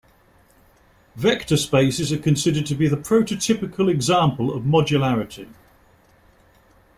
Vector spaces are considered to be the prototypical example of modularity.